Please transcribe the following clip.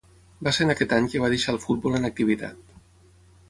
Va ser en aquest any que va deixar el futbol en activitat.